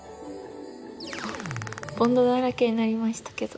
ボンドだらけになりましたけど。